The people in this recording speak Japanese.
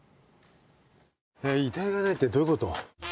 遺体がないってどういうこと？